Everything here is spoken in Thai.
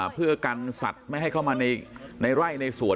เพื่อกันสัตว์ไม่ให้เข้ามาในไร่ในสวน